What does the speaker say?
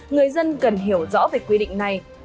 người dân cần hiểu rõ về quy định này